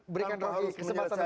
berikan alas menyelesaikan